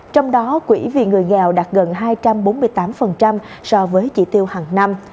trong đó quỹ vì người nghèo đạt gần hai trăm bốn mươi tám so với chỉ tiêu hàng năm